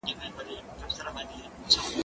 زه سبزیجات وچولي دي؟